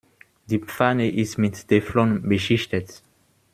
Die Pfanne ist mit Teflon beschichtet.